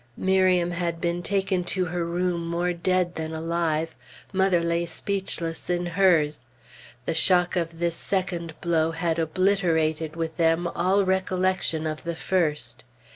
Miriam had been taken to her room more dead than alive Mother lay speechless in hers. The shock of this second blow had obliterated, with them, all recollection of the first.